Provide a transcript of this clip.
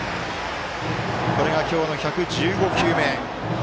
これが今日の１１５球目。